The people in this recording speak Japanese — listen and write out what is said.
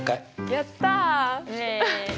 やった！